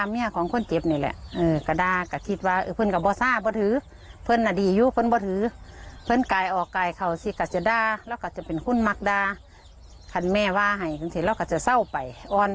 ต้องกลยกับวันต่อวันนะครับแพทย์ยังต้องดูแลอย่างใกล้ชิต